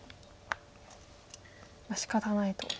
まあしかたないと。